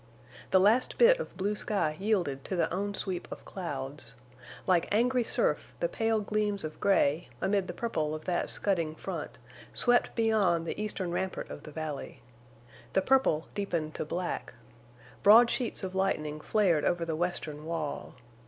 The last bit of blue sky yielded to the on sweep of clouds. Like angry surf the pale gleams of gray, amid the purple of that scudding front, swept beyond the eastern rampart of the valley. The purple deepened to black. Broad sheets of lightning flared over the western wall.